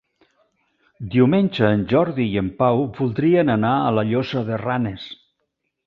Diumenge en Jordi i en Pau voldrien anar a la Llosa de Ranes.